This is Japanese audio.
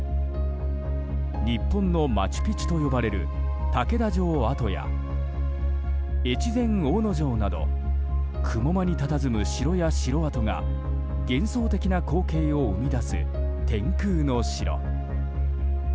日本のマチュピチュと呼ばれる竹田城跡や越前大野城など雲間にたたずむ城や城跡が幻想的な光景を生み出す天空の城。